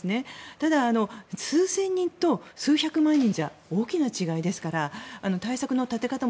ただ、数千人と数百万人じゃ大きな違いですから対策の立て方も